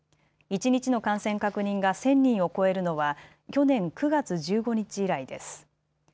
一日の感染確認が１０００人を超えるのは去年９月１５日以来です。